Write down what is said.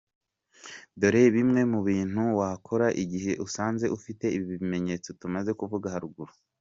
Dore bimwe mu bintu wakora igihe usanze ufite ibi bimenyetso tumaze kuvuga haruguru :.